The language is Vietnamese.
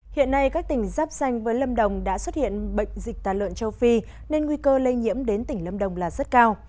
hiện nay các tỉnh giáp danh với lâm đồng đã xuất hiện bệnh dịch tàn lợn châu phi nên nguy cơ lây nhiễm đến tỉnh lâm đồng là rất cao